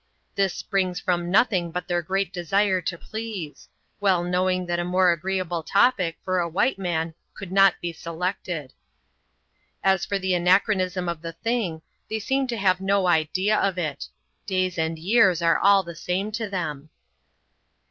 This springs from nothing but their great desire to please ; well knowing that a more agreeable topic for a white man could not be selected. 128 ADVENTURES IN THE SOUTH SEAS. [chap, xxxl As for the anachronism of the thing, thej seem to have no idea of it : days and yvears are all the same to them.